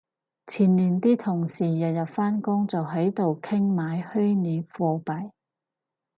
前年啲同事日日返工就喺度傾買虛擬貨幣